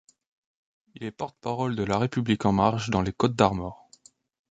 Il est porte-parole de La République En Marche dans les Côtes-d'Armor.